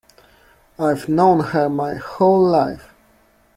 I've known her my whole life.